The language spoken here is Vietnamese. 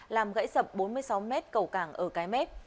làm gãy sập bốn mươi sáu mét cầu cảng ở cái mép